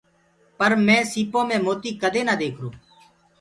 پر مينٚ سيٚپو مي موتي ڪدي نآ ديکرو هونٚ۔